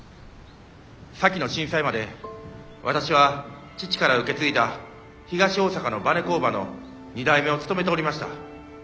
先の震災まで私は父から受け継いだ東大阪のバネ工場の２代目を務めておりました。